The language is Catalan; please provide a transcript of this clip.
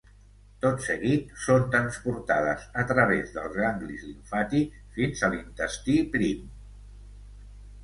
Tot seguit, són transportades a través dels ganglis limfàtics fins a l'intestí prim.